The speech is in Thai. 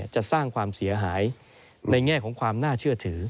จะสร้างความเสียหายในแง่ของความน่าเชื่อถือ